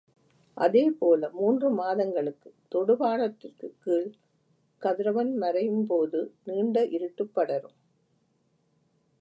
அதே போல மூன்று மாதங்களுக்கு தொடுவானத்திற்குக் கீழ்க் கதிரவன் மறையும் போது நீண்ட இருட்டு படரும்.